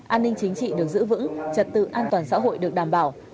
an ninh chính trị được giữ vững trật tự an toàn xã hội được đảm bảo